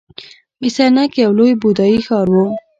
مس عینک یو لوی بودايي ښار و